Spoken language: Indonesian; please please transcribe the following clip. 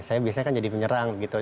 saya biasanya kan jadi penyerang gitu